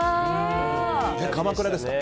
鎌倉ですか。